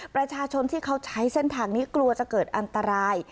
ประชาชนที่เขาใช้เส้นทางนี้กลัวจะเกิดอันตราย